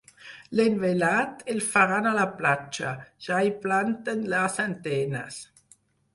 L'envelat, el faran a la platja: ja hi planten les antenes.